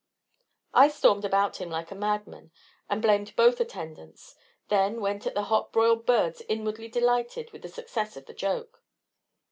I stormed about like a madman, and blamed both attendants, then went at the hot broiled birds inwardly delighted with the success of the joke.